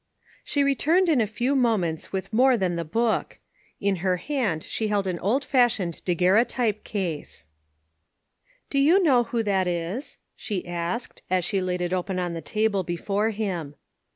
SHE returned in a few moments with more than the book. In her hand she held an old fashioned daguerreotype case. "Do you know who that is?" she asked, as she laid it open on the table before him.